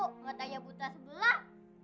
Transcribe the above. biar ibu katanya buta sebelah